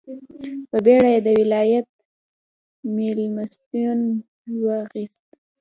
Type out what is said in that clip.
په بېړه یې د ولایت مېلمستون وغوښت.